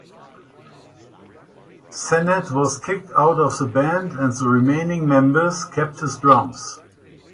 Sennett was kicked out of the band, and the remaining members kept his drums.